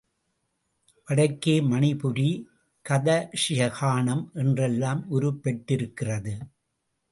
வடக்கே மணிபுரி, கதக், யக்ஷகானம் என்றெல்லாம் உருப்பெற்றிருக்கிறது.